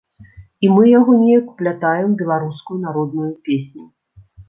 І мы яго неяк уплятаем у беларускую народную песню.